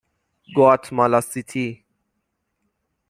گواتمالا سیتی